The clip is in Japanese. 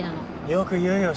よく言うよ。